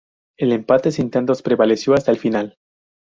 El empate sin tantos prevaleció hasta el final.